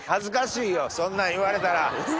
そんなん言われたら。